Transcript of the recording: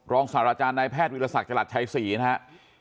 รองสาราจารย์ในแพทย์วิทยาศักดิ์จังหลัดชายศรีนะฮะ